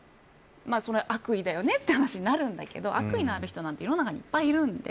それは悪意だよねという話になるんだけど悪意のある人なんて世の中にいっぱいいるので。